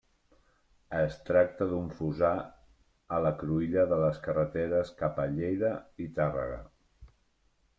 Es tracta d'un fossar a la cruïlla de les carreteres cap a Lleida i Tàrrega.